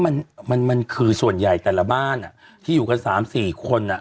ขอแขนว่าคราวนี้มันคือส่วนใหญ่แต่ละบ้านที่อยู่กันสามสี่คน